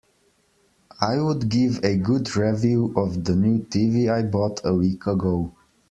I would give a good review of the new TV I bought a week ago.